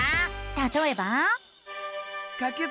たとえば。